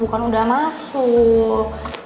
bukan udah masuk